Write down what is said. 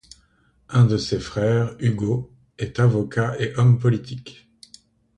Un de ses frères, Hugo, est avocat et homme politique.